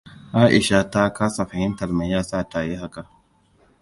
Aisha ta kasa fahimtar meyasa ta yi haka.